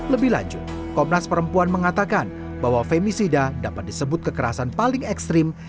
lebih lanjut komnas perempuan mengatakan bahwa femisida dapat disebut kekerasan paling ekstrim